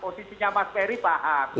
posisinya mas ferry paham